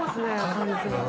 完全に。